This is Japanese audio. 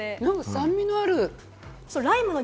酸味のある。